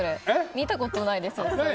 見たことないです。